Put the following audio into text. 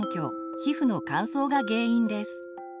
皮膚の乾燥が原因です。